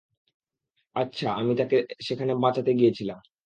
আচ্ছা, আমি তাকে সেখানে বাঁচাতে গিয়েছিলাম।